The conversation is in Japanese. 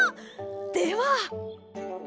では。